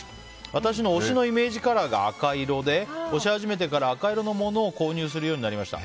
私の推しのイメージカラーが赤色で推し始めてから赤色のものを購入するようになりました。